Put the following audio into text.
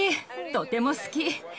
とても好き。